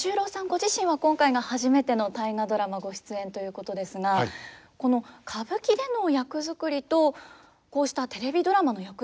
ご自身は今回が初めての「大河ドラマ」ご出演ということですがこの歌舞伎での役作りとこうしたテレビドラマの役作りというのは結構違うものなんですか？